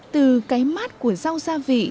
từ cái mát của rau gia vị